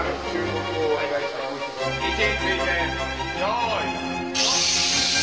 位置について用意ドン！